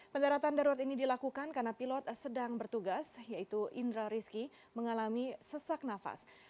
pendaratan darurat ini dilakukan karena pilot sedang bertugas yaitu indra rizki mengalami sesak nafas